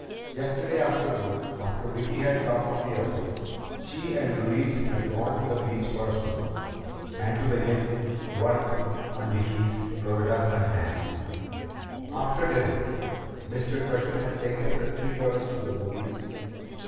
Yesterday afternoon, after Vicki had come from the airport, she and Louise had gone to the beach for a swim and to begin "work" on Vicki's Florida sun tan. After dinner, Mr. Curtin had taken the three girls to the movies.